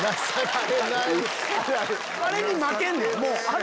あれに負けんねんもう。